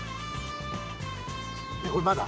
これまだ？